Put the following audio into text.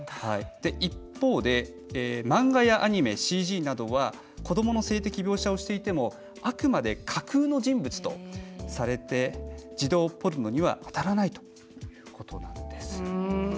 一方で漫画やアニメ、ＣＧなどは子どもの性的描写をしていてもあくまで架空の人物とされて児童ポルノにはあたらないということなんです。